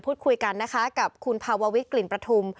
พูดคุยกันนะคะกับคุณภาววิทย์กลิ่นประทุม